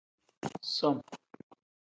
Som.